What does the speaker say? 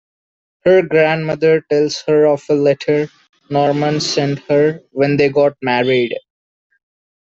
Her grandmother tells her of a letter Norman sent her when they got married.